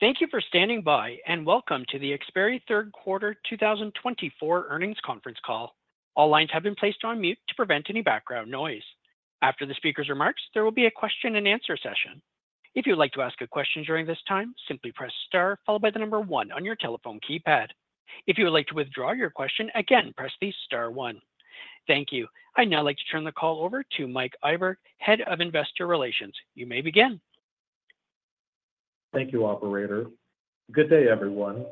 Thank you for standing by, and welcome to the Xperi Third Quarter 2024 earnings conference call. All lines have been placed on mute to prevent any background noise. After the speaker's remarks, there will be a question-and-answer session. If you would like to ask a question during this time, simply press Star, followed by the number One on your telephone keypad. If you would like to withdraw your question, again, press the Star One. Thank you. I'd now like to turn the call over to Mike Iburg, Head of Investor Relations. You may begin. Thank you, Operator. Good day, everyone.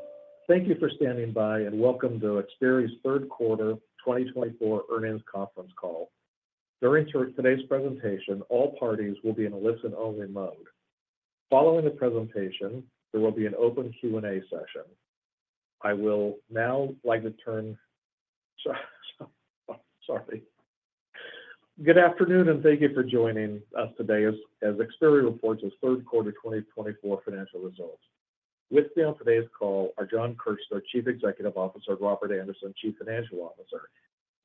Thank you for standing by, and welcome to Xperi's Third Quarter 2024 earnings conference call. During today's presentation, all parties will be in a listen-only mode. Following the presentation, there will be an open Q&A session. I will now like to turn—sorry. Good afternoon, and thank you for joining us today as Xperi reports its Third Quarter 2024 financial results. With me on today's call are Jon Kirchner, Chief Executive Officer; Robert Andersen, Chief Financial Officer.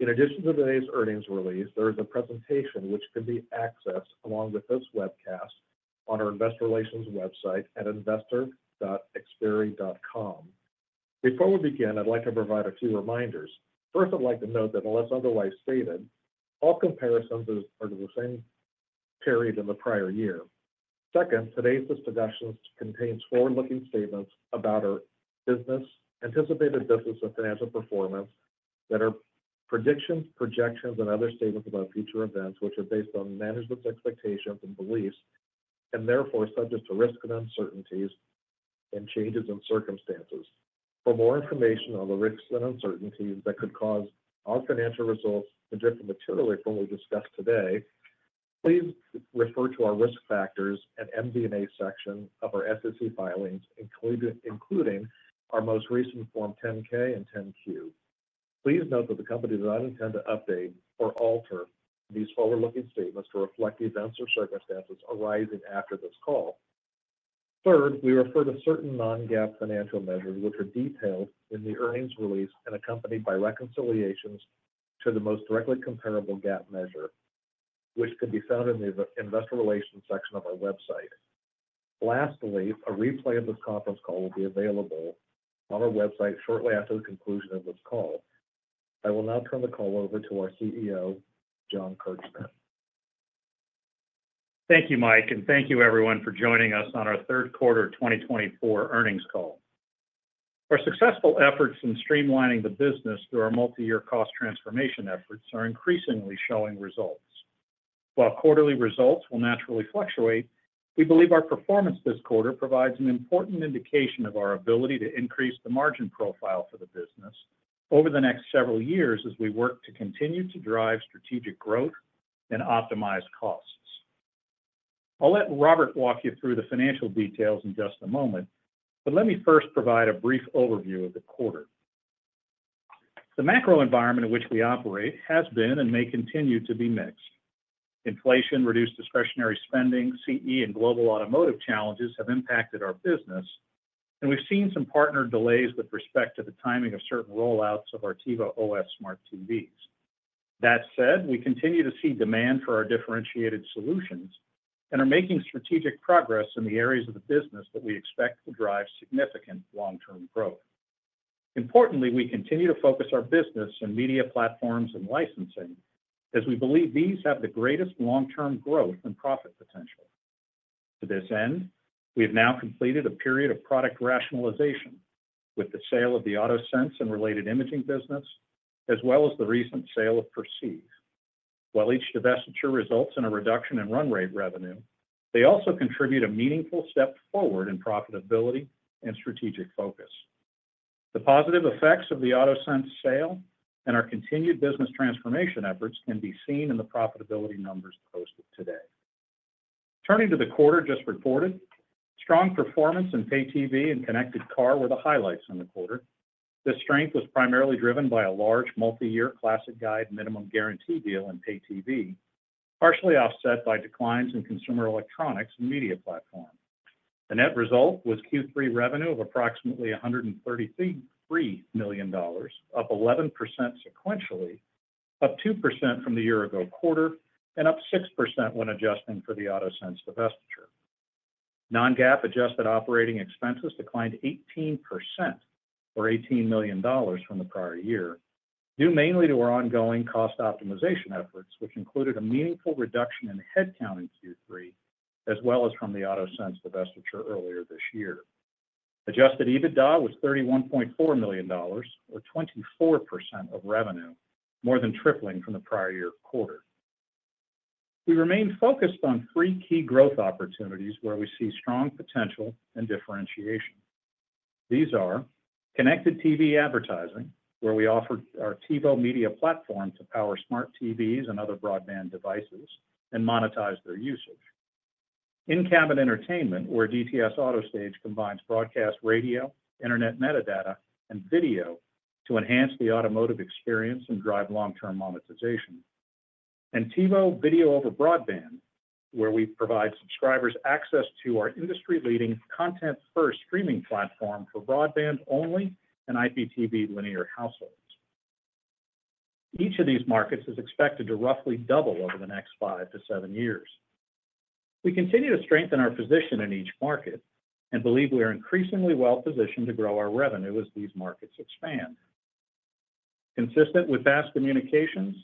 In addition to today's earnings release, there is a presentation which can be accessed along with this webcast on our Investor Relations website at investor.xperi.com. Before we begin, I'd like to provide a few reminders. First, I'd like to note that, unless otherwise stated, all comparisons are to the same period in the prior year. Second, today's discussions contain forward-looking statements about our business, anticipated business and financial performance, that are predictions, projections, and other statements about future events which are based on management's expectations and beliefs, and therefore subject to risks and uncertainties and changes in circumstances. For more information on the risks and uncertainties that could cause our financial results to differ materially from what we discussed today, please refer to our risk factors and MD&A section of our SEC filings, including our most recent Form 10-K and 10-Q. Please note that the company does not intend to update or alter these forward-looking statements to reflect events or circumstances arising after this call. Third, we refer to certain non-GAAP financial measures which are detailed in the earnings release and accompanied by reconciliations to the most directly comparable GAAP measure, which can be found in the Investor Relations section of our website. Lastly, a replay of this conference call will be available on our website shortly after the conclusion of this call. I will now turn the call over to our CEO, Jon Kirchner. Thank you, Mike, and thank you, everyone, for joining us on our Third Quarter 2024 earnings call. Our successful efforts in streamlining the business through our multi-year cost transformation efforts are increasingly showing results. While quarterly results will naturally fluctuate, we believe our performance this quarter provides an important indication of our ability to increase the margin profile for the business over the next several years as we work to continue to drive strategic growth and optimize costs. I'll let Robert walk you through the financial details in just a moment, but let me first provide a brief overview of the quarter. The macro environment in which we operate has been and may continue to be mixed. Inflation, reduced discretionary spending, CE, and global automotive challenges have impacted our business, and we've seen some partner delays with respect to the timing of certain rollouts of our TiVo OS smart TVs. That said, we continue to see demand for our differentiated solutions and are making strategic progress in the areas of the business that we expect to drive significant long-term growth. Importantly, we continue to focus our business on media platforms and licensing as we believe these have the greatest long-term growth and profit potential. To this end, we have now completed a period of product rationalization with the sale of the AutoSense and related imaging business, as well as the recent sale of Perceive. While each divestiture results in a reduction in run rate revenue, they also contribute a meaningful step forward in profitability and strategic focus. The positive effects of the AutoSense sale and our continued business transformation efforts can be seen in the profitability numbers posted today. Turning to the quarter just reported, strong performance in Pay TV and Connected Car were the highlights in the quarter. This strength was primarily driven by a large multi-year Classic Guide minimum guarantee deal in Pay TV, partially offset by declines in consumer electronics and media platforms. The net result was Q3 revenue of approximately $133 million, up 11% sequentially, up 2% from the year-ago quarter, and up 6% when adjusting for the AutoSense divestiture. Non-GAAP adjusted operating expenses declined 18%, or $18 million, from the prior year, due mainly to our ongoing cost optimization efforts, which included a meaningful reduction in headcount in Q3, as well as from the AutoSense divestiture earlier this year. Adjusted EBITDA was $31.4 million, or 24% of revenue, more than tripling from the prior year quarter. We remain focused on three key growth opportunities where we see strong potential and differentiation. These are connected TV advertising, where we offer our TiVo media platform to power smart TVs and other broadband devices and monetize their usage, in-cabin entertainment, where DTS AutoStage combines broadcast radio, internet metadata, and video to enhance the automotive experience and drive long-term monetization, and TiVo video over broadband, where we provide subscribers access to our industry-leading content-first streaming platform for broadband-only and IPTV linear households. Each of these markets is expected to roughly double over the next five-to-seven years. We continue to strengthen our position in each market and believe we are increasingly well-positioned to grow our revenue as these markets expand. Consistent with past communications,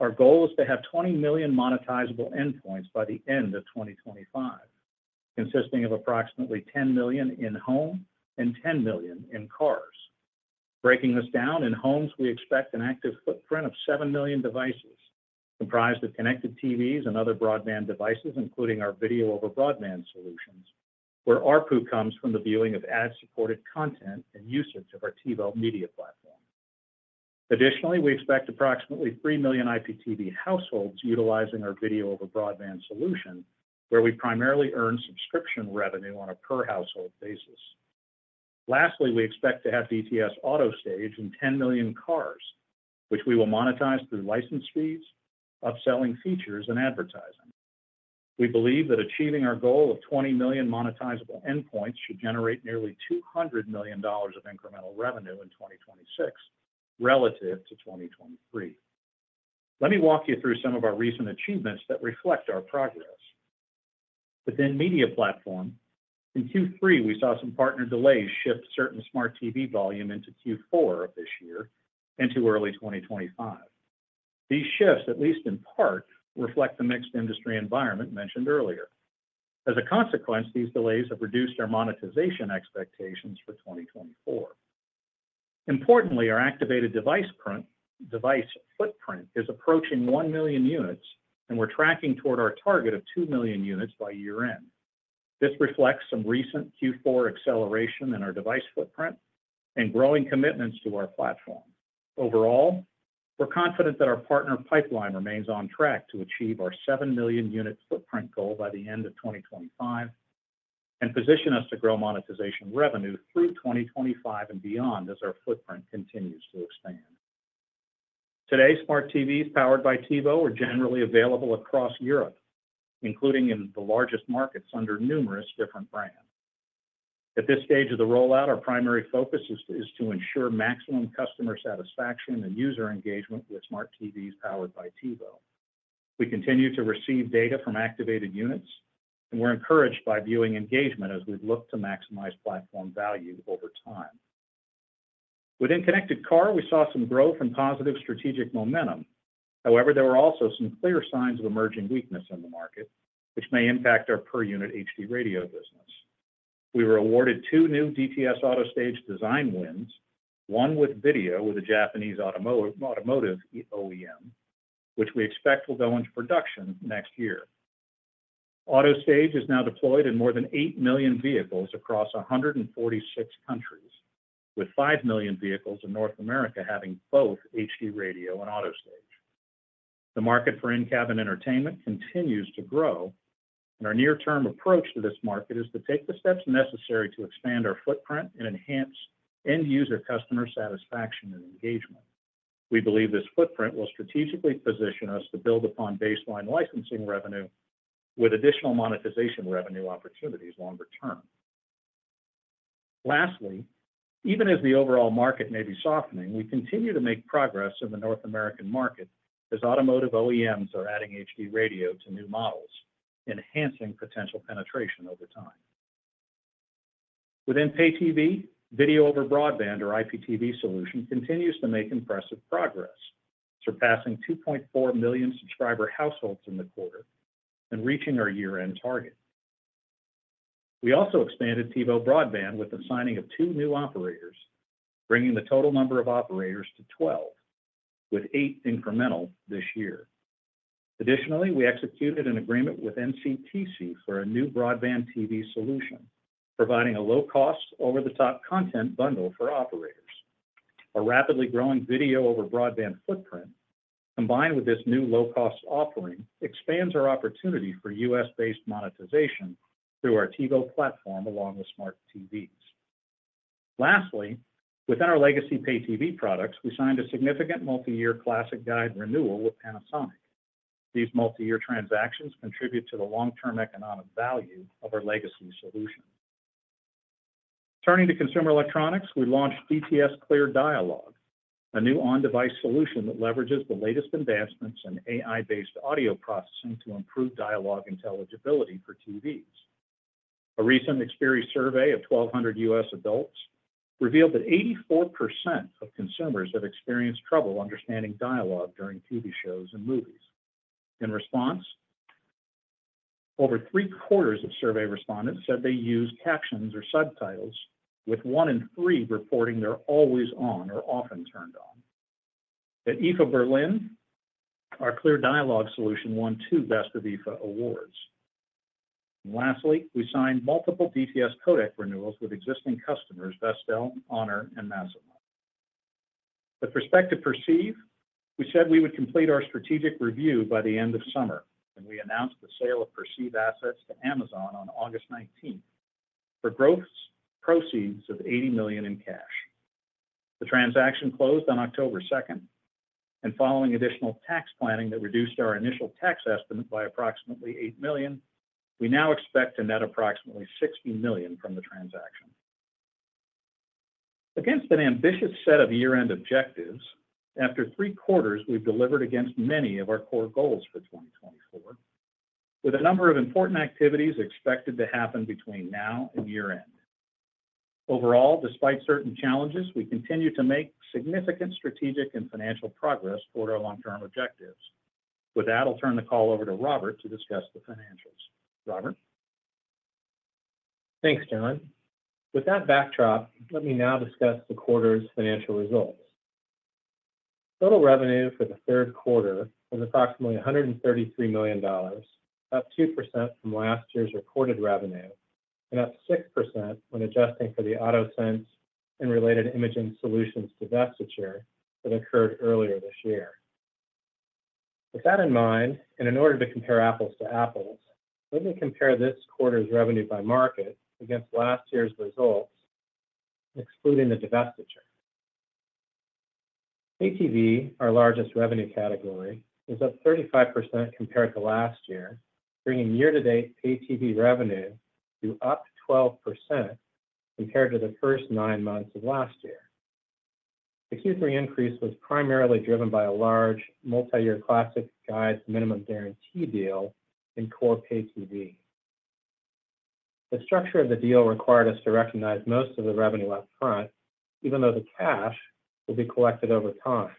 our goal is to have 20 million monetizable endpoints by the end of 2025, consisting of approximately 10 million in home and 10 million in cars. Breaking this down, in homes, we expect an active footprint of 7 million devices comprised of connected TVs and other broadband devices, including our video over broadband solutions, where our revenue comes from the viewing of ad-supported content and usage of our TiVo media platform. Additionally, we expect approximately 3 million IPTV households utilizing our video over broadband solution, where we primarily earn subscription revenue on a per-household basis. Lastly, we expect to have DTS AutoStage in 10 million cars, which we will monetize through license fees, upselling features, and advertising. We believe that achieving our goal of 20 million monetizable endpoints should generate nearly $200 million of incremental revenue in 2026 relative to 2023. Let me walk you through some of our recent achievements that reflect our progress. Within media platform, in Q3, we saw some partner delays shift certain smart TV volume into Q4 of this year and to early 2025. These shifts, at least in part, reflect the mixed industry environment mentioned earlier. As a consequence, these delays have reduced our monetization expectations for 2024. Importantly, our activated device footprint is approaching 1 million units, and we're tracking toward our target of 2 million units by year-end. This reflects some recent Q4 acceleration in our device footprint and growing commitments to our platform. Overall, we're confident that our partner pipeline remains on track to achieve our 7 million unit footprint goal by the end of 2025 and position us to grow monetization revenue through 2025 and beyond as our footprint continues to expand. Today, smart TVs powered by TiVo are generally available across Europe, including in the largest markets under numerous different brands. At this stage of the rollout, our primary focus is to ensure maximum customer satisfaction and user engagement with smart TVs powered by TiVo. We continue to receive data from activated units, and we're encouraged by viewing engagement as we look to maximize platform value over time. Within Connected Car, we saw some growth and positive strategic momentum. However, there were also some clear signs of emerging weakness in the market, which may impact our per-unit HD Radio business. We were awarded two new DTS AutoStage design wins, one with video with a Japanese automotive OEM, which we expect will go into production next year. AutoStage is now deployed in more than eight million vehicles across 146 countries, with five million vehicles in North America having both HD Radio and AutoStage. The market for in-cabin entertainment continues to grow, and our near-term approach to this market is to take the steps necessary to expand our footprint and enhance end-user customer satisfaction and engagement. We believe this footprint will strategically position us to build upon baseline licensing revenue with additional monetization revenue opportunities longer term. Lastly, even as the overall market may be softening, we continue to make progress in the North American market as automotive OEMs are adding HD Radio to new models, enhancing potential penetration over time. Within Pay TV, video over broadband or IPTV solution continues to make impressive progress, surpassing 2.4 million subscriber households in the quarter and reaching our year-end target. We also expanded TiVo Broadband with the signing of two new operators, bringing the total number of operators to 12, with eight incremental this year. Additionally, we executed an agreement with NCTC for a new broadband TV solution, providing a low-cost, over-the-top content bundle for operators. Our rapidly growing video over broadband footprint, combined with this new low-cost offering, expands our opportunity for U.S.-based monetization through our TiVo platform along with smart TVs. Lastly, within our legacy Pay TV products, we signed a significant multi-year Classic Guide renewal with Panasonic. These multi-year transactions contribute to the long-term economic value of our legacy solution. Turning to consumer electronics, we launched DTS Clear Dialogue, a new on-device solution that leverages the latest advancements in AI-based audio processing to improve dialogue intelligibility for TVs. A recent Experian survey of 1,200 U.S. adults revealed that 84% of consumers have experienced trouble understanding dialogue during TV shows and movies. In response, over three-quarters of survey respondents said they use captions or subtitles, with one in three reporting they're always on or often turned on. At IFA Berlin, our Clear Dialogue solution won two Best of IFA awards. Lastly, we signed multiple DTS Codec renewals with existing customers Vestel, Honor, and Masimo. With respect to Perceive, we said we would complete our strategic review by the end of summer, and we announced the sale of Perceive assets to Amazon on August 19 for gross proceeds of $80 million in cash. The transaction closed on October 2, and following additional tax planning that reduced our initial tax estimate by approximately $8 million, we now expect to net approximately $60 million from the transaction. Against an ambitious set of year-end objectives, after three quarters, we've delivered against many of our core goals for 2024, with a number of important activities expected to happen between now and year-end. Overall, despite certain challenges, we continue to make significant strategic and financial progress toward our long-term objectives. With that, I'll turn the call over to Robert to discuss the financials. Robert? Thanks, Jon. With that backdrop, let me now discuss the quarter's financial results. Total revenue for the third quarter was approximately $133 million, up 2% from last year's reported revenue, and up 6% when adjusting for the AutoSense and related imaging solutions divestiture that occurred earlier this year. With that in mind, and in order to compare apples to apples, let me compare this quarter's revenue by market against last year's results, excluding the divestiture. Pay TV, our largest revenue category, is up 35% compared to last year, bringing year-to-date Pay TV revenue to up 12% compared to the first nine months of last year. The Q3 increase was primarily driven by a large multi-year Classic Guide Minimum Guarantee deal in core Pay TV. The structure of the deal required us to recognize most of the revenue upfront, even though the cash will be collected over time.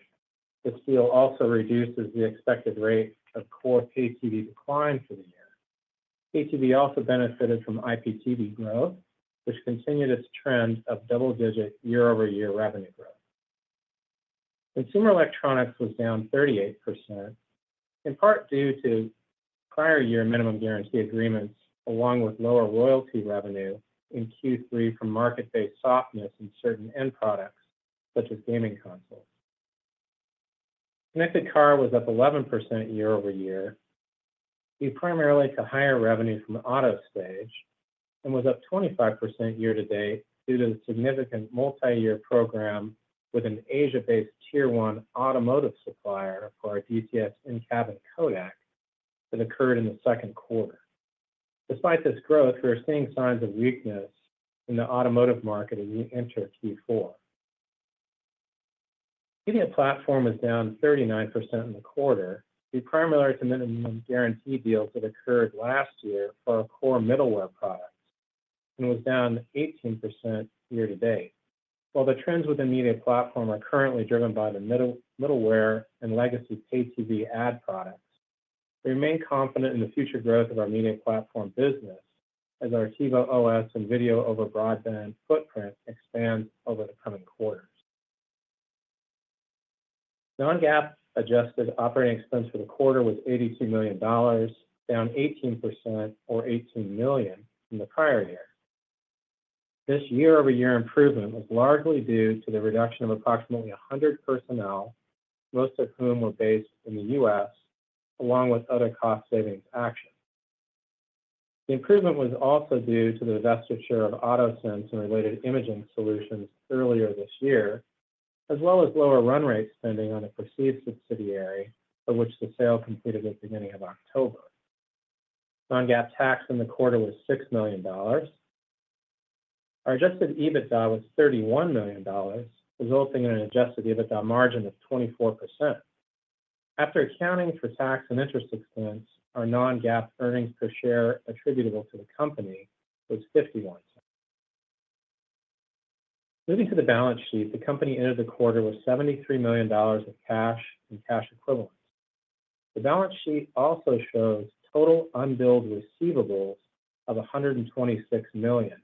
This deal also reduces the expected rate of core Pay TV decline for the year. Pay TV also benefited from IPTV growth, which continued its trend of double-digit year-over-year revenue growth. Consumer Electronics was down 38%, in part due to prior year Minimum Guarantee agreements, along with lower royalty revenue in Q3 from market-based softness in certain end products such as gaming consoles. Connected Car was up 11% year-over-year, due primarily to higher revenue from AutoStage, and was up 25% year-to-date due to the significant multi-year program with an Asia-based tier-one automotive supplier for our DTS in-cabin Codec that occurred in the second quarter. Despite this growth, we are seeing signs of weakness in the automotive market as we enter Q4. Media Platform is down 39% in the quarter, due primarily to minimum guarantee deals that occurred last year for our core middleware products and was down 18% year-to-date. While the trends within Media Platform are currently driven by the middleware and legacy Pay TV ad products, we remain confident in the future growth of our media platform business as our TiVo OS and video over broadband footprint expands over the coming quarters. Non-GAAP adjusted operating expense for the quarter was $82 million, down 18%, or $18 million from the prior year. This year-over-year improvement was largely due to the reduction of approximately 100 personnel, most of whom were based in the U.S., along with other cost-savings actions. The improvement was also due to the divestiture of AutoSense and related imaging solutions earlier this year, as well as lower run rate spending on a Perceive subsidiary, of which the sale completed at the beginning of October. non-GAAP tax in the quarter was $6 million. Our Adjusted EBITDA was $31 million, resulting in an Adjusted EBITDA margin of 24%. After accounting for tax and interest expense, our non-GAAP earnings per share attributable to the company was $0.51. Moving to the balance sheet, the company ended the quarter with $73 million of cash and cash equivalents. The balance sheet also shows total unbilled receivables of $126 million,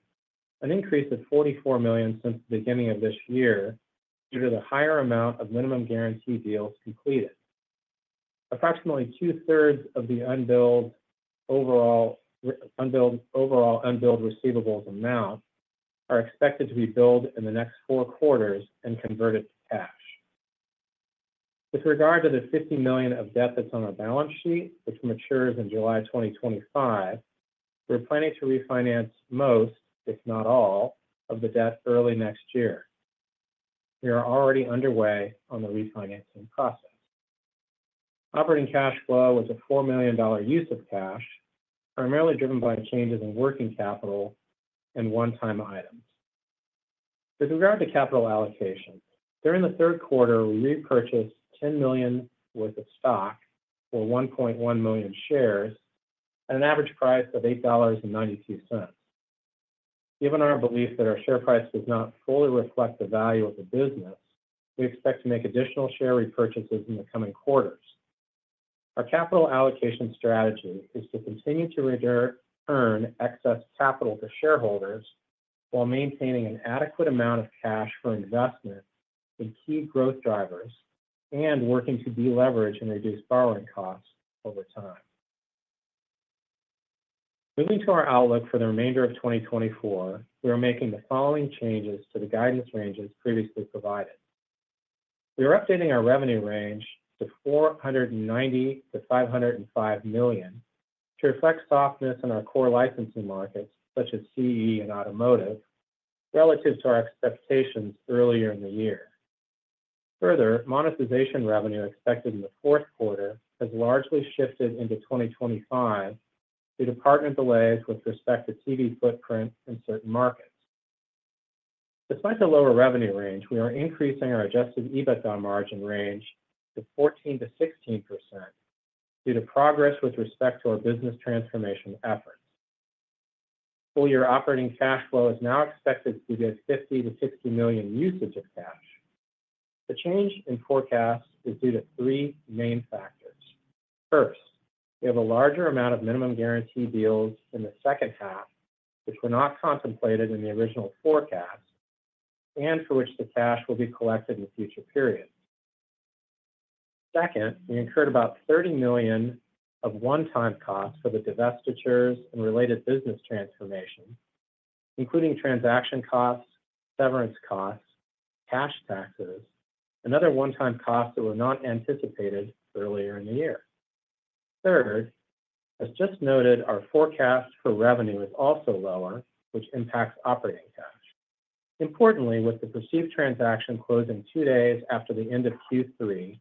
an increase of $44 million since the beginning of this year due to the higher amount of minimum guarantee deals completed. Approximately two-thirds of the overall unbilled receivables amount are expected to be billed in the next four quarters and converted to cash. With regard to the $50 million of debt that's on our balance sheet, which matures in July 2025, we're planning to refinance most, if not all, of the debt early next year. We are already underway on the refinancing process. Operating cash flow was a $4 million use of cash, primarily driven by changes in working capital and one-time items. With regard to capital allocation, during the third quarter, we repurchased $10 million worth of stock, or $1.1 million shares, at an average price of $8.92. Given our belief that our share price does not fully reflect the value of the business, we expect to make additional share repurchases in the coming quarters. Our capital allocation strategy is to continue to earn excess capital to shareholders while maintaining an adequate amount of cash for investment in key growth drivers and working to deleverage and reduce borrowing costs over time. Moving to our outlook for the remainder of 2024, we are making the following changes to the guidance ranges previously provided. We are updating our revenue range to $490-$505 million to reflect softness in our core licensing markets, such as CE and automotive, relative to our expectations earlier in the year. Further, monetization revenue expected in the fourth quarter has largely shifted into 2025 due to partner delays with respect to TV footprint in certain markets. Despite the lower revenue range, we are increasing our Adjusted EBITDA margin range to 14%-16% due to progress with respect to our business transformation efforts. Full-year operating cash flow is now expected to be at $50-$60 million usage of cash. The change in forecast is due to three main factors. First, we have a larger amount of minimum guarantee deals in the second half, which were not contemplated in the original forecast and for which the cash will be collected in the future period. Second, we incurred about $30 million of one-time costs for the divestitures and related business transformation, including transaction costs, severance costs, cash taxes, and other one-time costs that were not anticipated earlier in the year. Third, as just noted, our forecast for revenue is also lower, which impacts operating cash. Importantly, with the Perceive transaction closing two days after the end of Q3,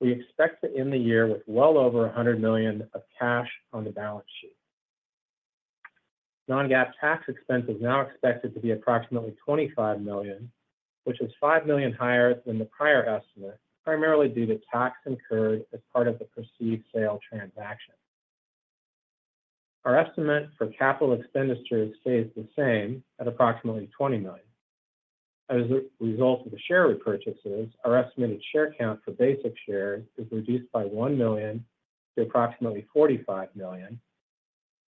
we expect to end the year with well over $100 million of cash on the balance sheet. Non-GAAP tax expense is now expected to be approximately $25 million, which is $5 million higher than the prior estimate, primarily due to tax incurred as part of the Perceive sale transaction. Our estimate for capital expenditures stays the same at approximately $20 million. As a result of the share repurchases, our estimated share count for basic shares is reduced by 1 million to approximately 45 million,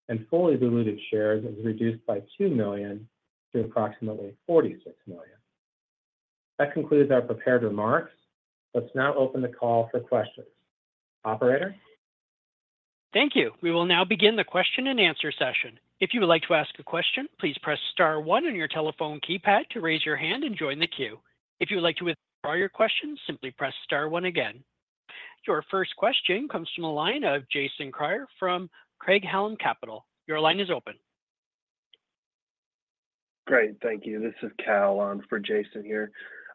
and fully diluted shares is reduced by 2 million to approximately 46 million. That concludes our prepared remarks. Let's now open the call for questions. Operator? Thank you. We will now begin the question and answer session. If you would like to ask a question, please press star one on your telephone keypad to raise your hand and join the queue. If you would like to withdraw your question, simply press star one again. Your first question comes from the line of Jason Kreyer from Craig-Hallum Capital Group. Your line is open. Great. Thank you. This is Cal on for Jason here.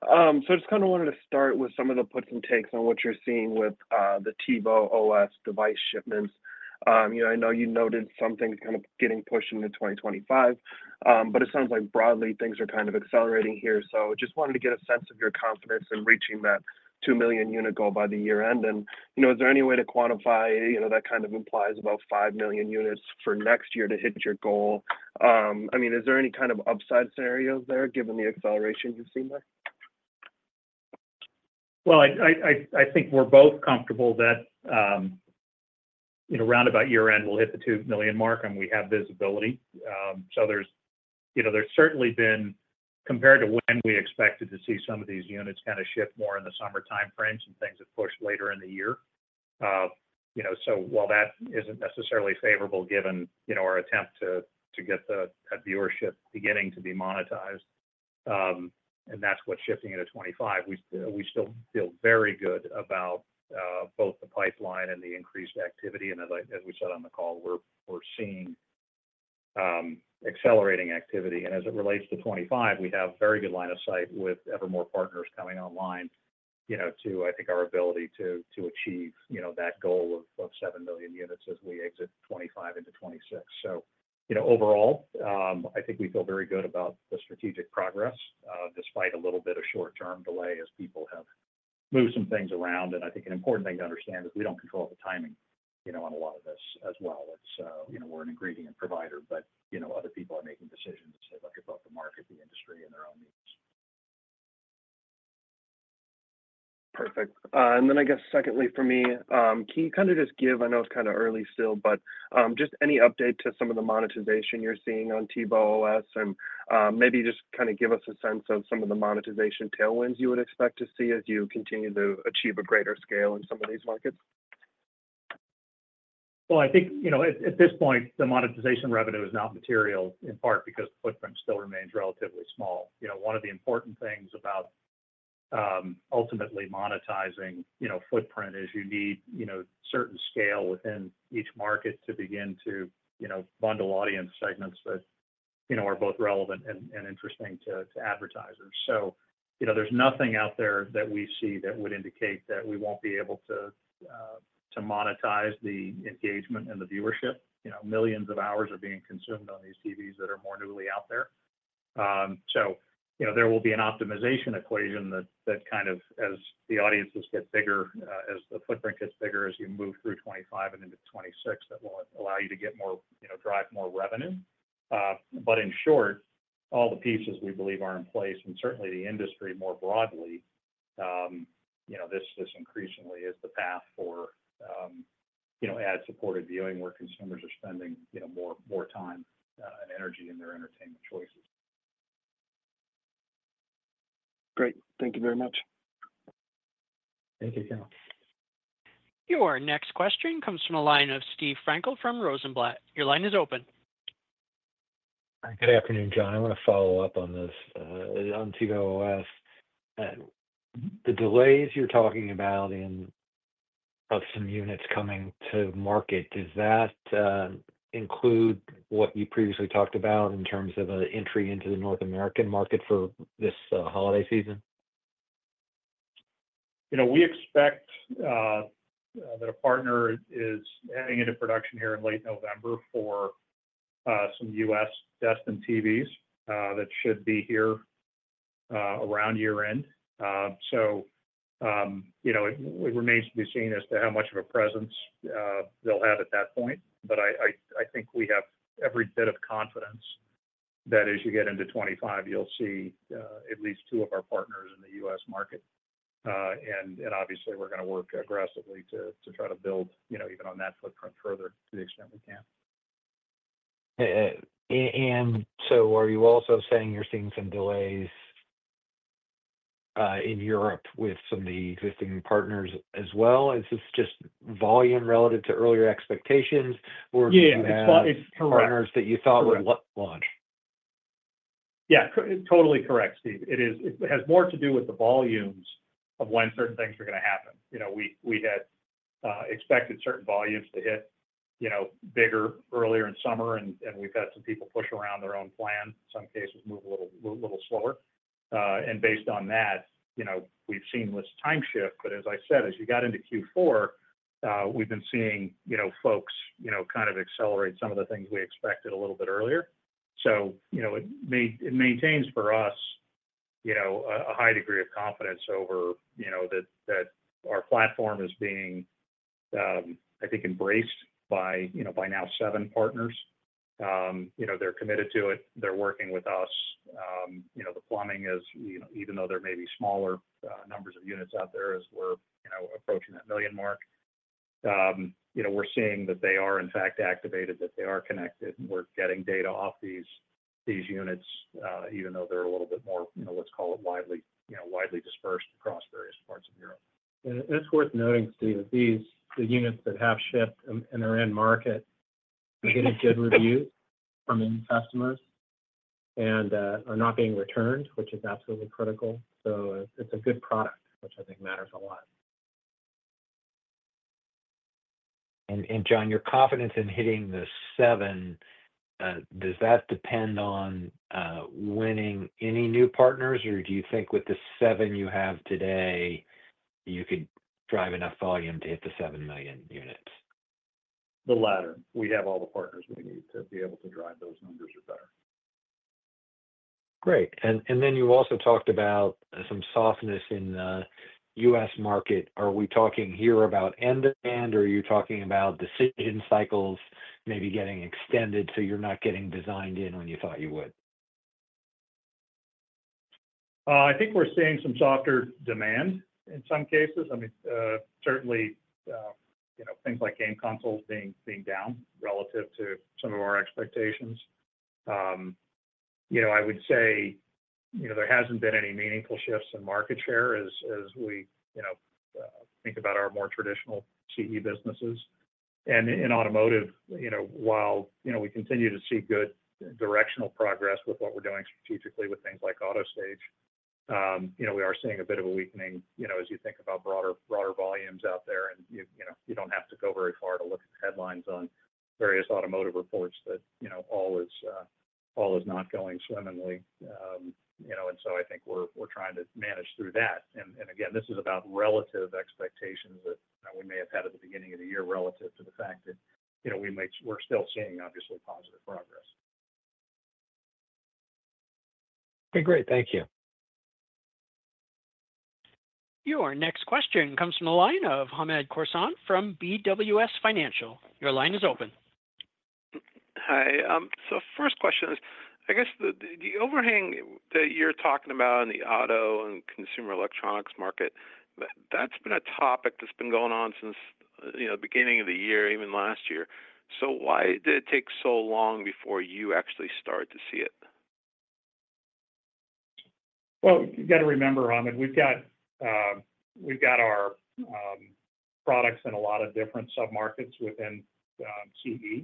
So I just kind of wanted to start with some of the puts and takes on what you're seeing with the TiVo OS device shipments. I know you noted something kind of getting pushed into 2025, but it sounds like broadly things are kind of accelerating here. So I just wanted to get a sense of your confidence in reaching that 2 million unit goal by the year-end. Is there any way to quantify that kind of implies about $5 million units for next year to hit your goal? I mean, is there any kind of upside scenarios there given the acceleration you've seen there? Well, I think we're both comfortable that around about year-end, we'll hit the $2 million mark, and we have visibility. So there's certainly been, compared to when we expected to see some of these units kind of shift more in the summer timeframes and things that push later in the year. So while that isn't necessarily favorable given our attempt to get that viewership beginning to be monetized, and that's what's shifting into 2025, we still feel very good about both the pipeline and the increased activity. And as we said on the call, we're seeing accelerating activity. And as it relates to 2025, we have a very good line of sight with ever more partners coming online to, I think, our ability to achieve that goal of $7 million units as we exit 2025 into 2026. So overall, I think we feel very good about the strategic progress despite a little bit of short-term delay as people have moved some things around. And I think an important thing to understand is we don't control the timing on a lot of this as well. We're an ingredient provider, but other people are making decisions to say, "Look, it's about the market, the industry, and their own needs." Perfect. Then I guess secondly for me, can you kind of just give, I know it's kind of early still, but just any update to some of the monetization you're seeing on TiVo OS and maybe just kind of give us a sense of some of the monetization tailwinds you would expect to see as you continue to achieve a greater scale in some of these markets? I think at this point, the monetization revenue is not material in part because the footprint still remains relatively small. One of the important things about ultimately monetizing footprint is you need certain scale within each market to begin to bundle audience segments that are both relevant and interesting to advertisers. There's nothing out there that we see that would indicate that we won't be able to monetize the engagement and the viewership. Millions of hours are being consumed on these TVs that are more newly out there. So there will be an optimization equation that kind of, as the audiences get bigger, as the footprint gets bigger, as you move through 2025 and into 2026, that will allow you to drive more revenue. But in short, all the pieces we believe are in place and certainly the industry more broadly, this increasingly is the path for ad-supported viewing where consumers are spending more time and energy in their entertainment choices. Great. Thank you very much. Thank you, Cal. Your next question comes from the line of Steve Frankel from Rosenblatt. Your line is open. Hi, good afternoon, Jon. I want to follow up on this. On TiVo OS, the delays you're talking about of some units coming to market, does that include what you previously talked about in terms of an entry into the North American market for this holiday season? We expect that a partner is heading into production here in late November for some U.S. destined TVs that should be here around year-end, so it remains to be seen as to how much of a presence they'll have at that point, but I think we have every bit of confidence that as you get into 2025, you'll see at least two of our partners in the U.S. market. And obviously, we're going to work aggressively to try to build even on that footprint further to the extent we can, and so are you also saying you're seeing some delays in Europe with some of the existing partners as well? Is this just volume relative to earlier expectations, or do you have partners that you thought would launch? Yeah, totally correct, Steve. It has more to do with the volumes of when certain things are going to happen. We had expected certain volumes to hit bigger earlier in summer, and we've had some people push around their own plan, in some cases move a little slower. And based on that, we've seen this time shift. But as I said, as you got into Q4, we've been seeing folks kind of accelerate some of the things we expected a little bit earlier. So it maintains for us a high degree of confidence over that our platform is being, I think, embraced by now seven partners. They're committed to it. They're working with us. The plumbing is, even though there may be smaller numbers of units out there as we're approaching that million mark, we're seeing that they are, in fact, activated, that they are connected, and we're getting data off these units, even though they're a little bit more, let's call it, widely dispersed across various parts of Europe, and it's worth noting, Steve, that the units that have shipped in their end market are getting good reviews from many customers and are not being returned, which is absolutely critical, so it's a good product, which I think matters a lot, and Jon, your confidence in hitting the seven, does that depend on winning any new partners, or do you think with the seven you have today, you could drive enough volume to hit the seven million units? The latter. We have all the partners we need to be able to drive those numbers or better. Great, and then you also talked about some softness in the U.S. market. Are we talking here about end demand, or are you talking about decision cycles maybe getting extended so you're not getting designed in when you thought you would? I think we're seeing some softer demand in some cases. I mean, certainly, things like game consoles being down relative to some of our expectations. I would say there hasn't been any meaningful shifts in market share as we think about our more traditional CE businesses, and in automotive, while we continue to see good directional progress with what we're doing strategically with things like Auto Stage, we are seeing a bit of a weakening as you think about broader volumes out there. You don't have to go very far to look at the headlines on various automotive reports that all is not going swimmingly. So I think we're trying to manage through that. Again, this is about relative expectations that we may have had at the beginning of the year relative to the fact that we're still seeing, obviously, positive progress. Okay, great. Thank you. Your next question comes from the line of Hamed Khorsand from BWS Financial. Your line is open. Hi. First question is, I guess the overhang that you're talking about in the auto and consumer electronics market. That's been a topic that's been going on since the beginning of the year, even last year. Why did it take so long before you actually started to see it? You've got to remember, Hamed, we've got our products in a lot of different sub-markets within CE.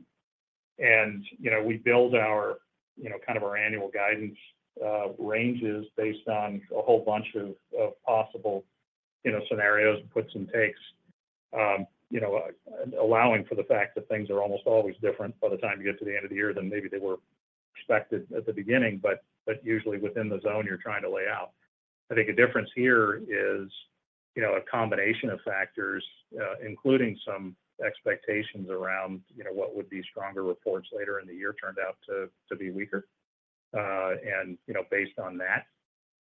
And we build kind of our annual guidance ranges based on a whole bunch of possible scenarios, puts and takes, allowing for the fact that things are almost always different by the time you get to the end of the year than maybe they were expected at the beginning, but usually within the zone you're trying to lay out. I think a difference here is a combination of factors, including some expectations around what would be stronger reports later in the year turned out to be weaker. And based on that,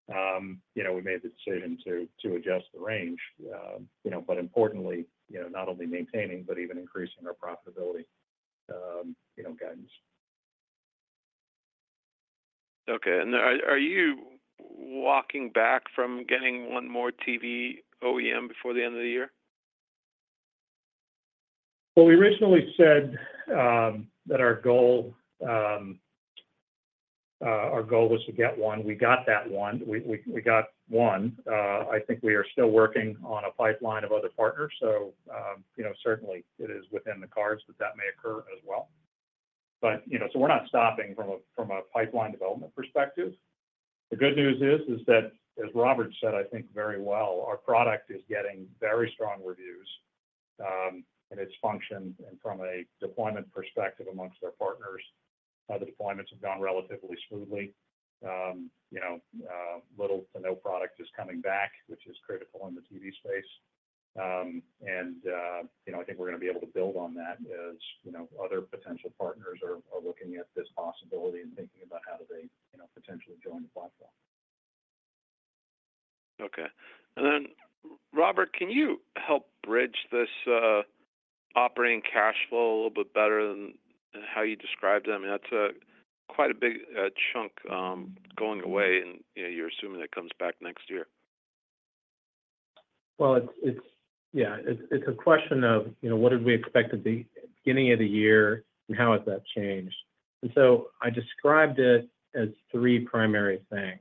we made the decision to adjust the range, but importantly, not only maintaining, but even increasing our profitability guidance. Okay. And are you walking back from getting one more TV OEM before the end of the year? We originally said that our goal was to get one. We got that one. We got one. I think we are still working on a pipeline of other partners. So certainly, it is within the cards that that may occur as well. So we're not stopping from a pipeline development perspective. The good news is that, as Robert said, I think very well, our product is getting very strong reviews in its function and from a deployment perspective amongst our partners. The deployments have gone relatively smoothly. Little to no product is coming back, which is critical in the TV space. And I think we're going to be able to build on that as other potential partners are looking at this possibility and thinking about how do they potentially join the platform. Okay. Then, Robert, can you help bridge this operating cash flow a little bit better than how you described it? I mean, that's quite a big chunk going away, and you're assuming it comes back next year. Well, yeah, it's a question of what did we expect at the beginning of the year and how has that changed. And so I described it as three primary things.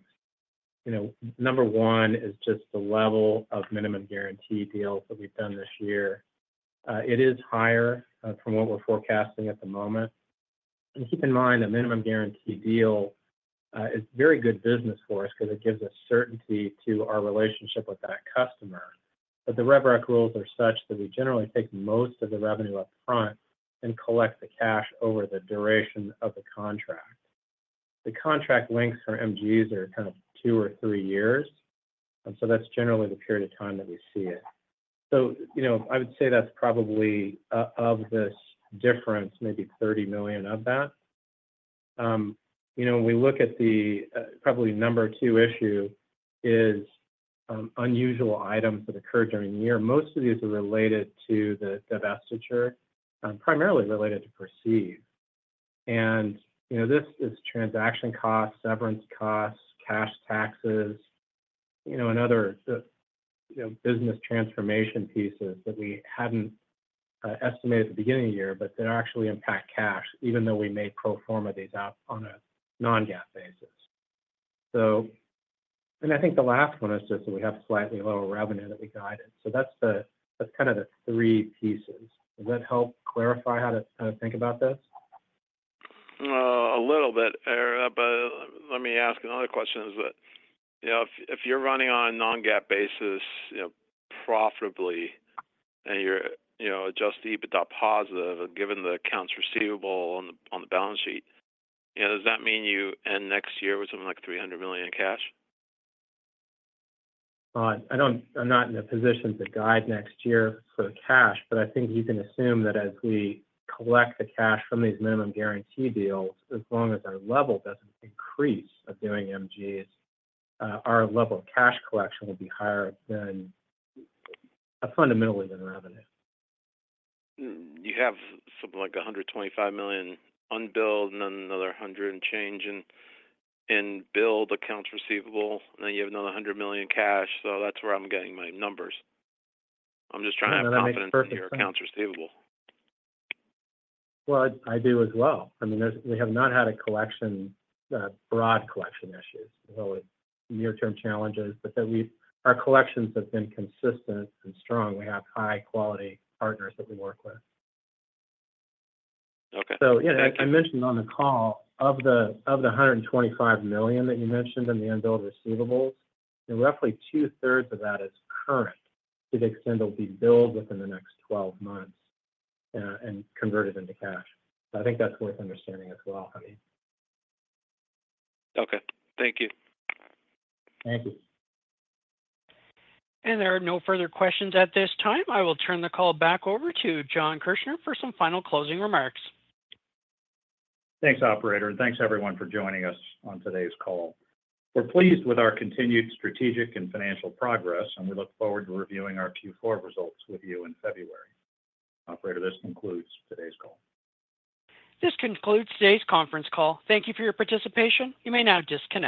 Number one is just the level of minimum guarantee deals that we've done this year. It is higher than what we're forecasting at the moment. And keep in mind, a minimum guarantee deal is very good business for us because it gives us certainty to our relationship with that customer. But the revenue rules are such that we generally take most of the revenue upfront and collect the cash over the duration of the contract. The contract lengths for MGs are kind of two or three years, and so that's generally the period of time that we see it. So I would say that's probably of this difference, maybe $30 million of that. When we look at the probably number two issue is unusual items that occur during the year. Most of these are related to the divestiture, primarily related to Perceive. And this is transaction costs, severance costs, cash taxes, and other business transformation pieces that we hadn't estimated at the beginning of the year, but they actually impact cash, even though we may pro forma these out on a non-GAAP basis. And I think the last one is just that we have slightly lower revenue that we guided. So that's kind of the three pieces. Does that help clarify how to think about this? A little bit. But let me ask another question. If you're running on a non-GAAP basis profitably and you're just EBITDA positive and given the accounts receivable on the balance sheet, does that mean you end next year with something like $300 million in cash? I'm not in a position to guide next year for cash, but I think you can assume that as we collect the cash from these minimum guarantee deals, as long as our level doesn't increase of doing MGs, our level of cash collection will be higher than fundamentally than revenue. You have something like $125 million unbilled and then another $100 million and change in billed accounts receivable, and then you have another $100 million in cash. So that's where I'm getting my numbers. I'm just trying to have confidence in your accounts receivable. Well, I do as well. I mean, we have not had broad collection issues, so near-term challenges, but our collections have been consistent and strong. We have high-quality partners that we work with. So I mentioned on the call, of the $125 million that you mentioned in the unbilled receivables, roughly two-thirds of that is current to the extent it will be billed within the next 12 months and converted into cash. So I think that's worth understanding as well, Hamed. Okay. Thank you. Thank you. And there are no further questions at this time. I will turn the call back over to Jon Kirchner for some final closing remarks. Thanks, operator. And thanks, everyone, for joining us on today's call. We're pleased with our continued strategic and financial progress, and we look forward to reviewing our Q4 results with you in February. Operator, this concludes today's call. This concludes today's conference call. Thank you for your participation. You may now disconnect.